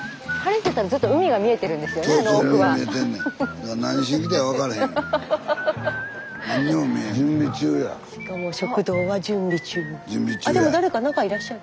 スタジオあっでも誰か中いらっしゃる。